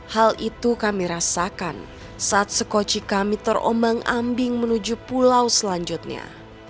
hal itu kami rasakan saat sekoci kami terombang ambing menuju pulau selanjutnya